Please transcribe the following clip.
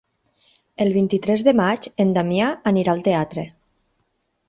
El vint-i-tres de maig en Damià anirà al teatre.